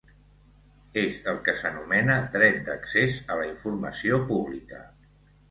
És el que s'anomena dret d'accés a la informació pública.